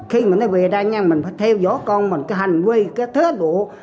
khi mà nó về đây nha mình phải theo dõi con mình cái hành vi cái thế độ